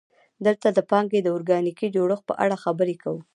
دلته د پانګې د ارګانیکي جوړښت په اړه خبرې کوو